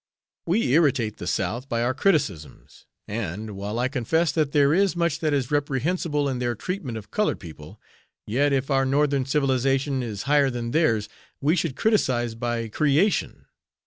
We irritate the South by our criticisms, and, while I confess that there is much that is reprehensible in their treatment of colored people, yet if our Northern civilization is higher than theirs we should 'criticise by creation.'